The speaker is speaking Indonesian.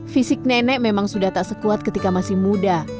fisik nenek memang sudah tak sekuat ketika masih muda